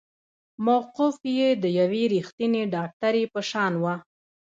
موقف يې د يوې رښتينې ډاکټرې په شان وه.